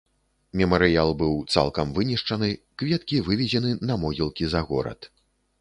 Мемарыял быў цалкам вынішчаны, кветкі вывезены на могілкі за горад.